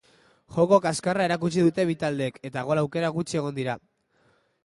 Joko kaskarra erakutsi dute bi taldeek eta gol aukera gutxi egon dira.